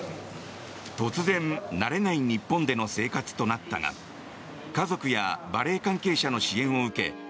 突然、慣れない日本での生活となったが家族やバレエ関係者の支援を受け